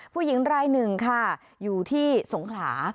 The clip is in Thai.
ผู้หญิงรายหนึ่งค่ะอยู่ที่สงขลา